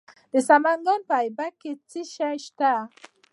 د سمنګان په ایبک کې څه شی شته؟